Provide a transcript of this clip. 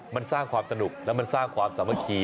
มันสร้างความสนุกแล้วมันสร้างความสามัคคี